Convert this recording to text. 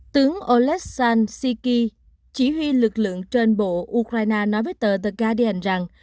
tướng oleksandr shishkin chỉ huy lực lượng trên bộ ukraine nói với tờ the guardian rằng